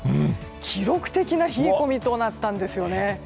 記録的な冷え込みとなったんですね。